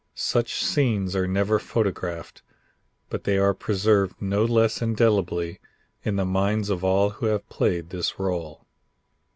Such scenes are never photographed, but they are preserved no less indelibly in the minds of all who have played this rôle.